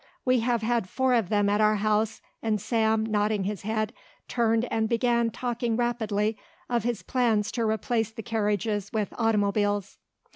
We have had four of them at our house," and Sam, nodding his head, turned and began talking rapidly of his plans to replace the carriages with automobiles.